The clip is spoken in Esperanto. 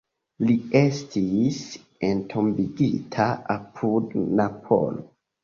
Li estis entombigita apud Napolo.